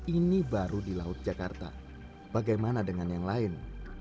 ini baru di laut jakarta bagaimana dengan yang lain